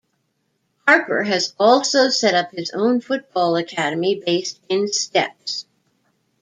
Harper has also set up his own football academy based in Stepps.